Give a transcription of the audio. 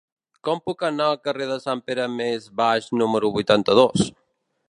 Com puc anar al carrer de Sant Pere Més Baix número vuitanta-dos?